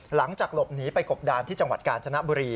หลังจากหลบหนีไปกบดานที่จังหวัดกาญจนบุรี